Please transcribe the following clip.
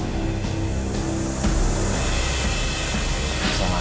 bisa melakukan apapun untuk menangani